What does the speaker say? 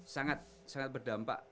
sangat sangat berdampak